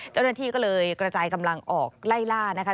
เจ้าหน้าที่ก็เลยกระจายกำลังออกไล่ล่านะคะ